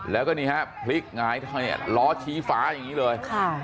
แล้วก็นี่ฮะพลิกหงายเนี่ยล้อชี้ฟ้าอย่างนี้เลย